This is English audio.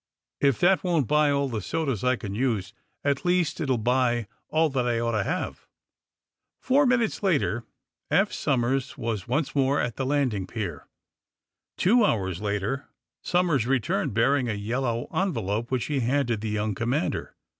If that won't buy all the sodas I can use, at least it will buy all that I ought to have." Four minutes later Eph Somers was once more at the landing pier. Two hours later Somers returned, bearing a yellow envelope, which he handed the young commander.